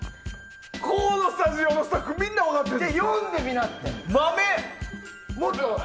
このスタジオのスタッフみんな分かってんの？